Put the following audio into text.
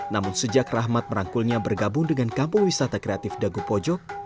namun sejak rahmat merangkulnya bergabung dengan kampung wisata kreatif dagu pojok